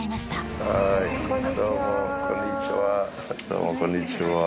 あっこんにちは。